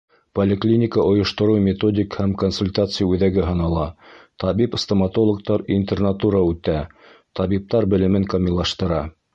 Поликлиника ойоштороу-методик һәм консультация үҙәге һанала, табип-стоматологтар интернатура үтә, табиптар белемен камиллаштыра.